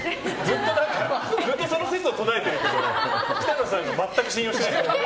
ずっとその説を唱えてるけど北乃さんのこと全く信用してない。